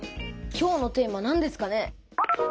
今日のテーマなんですかね。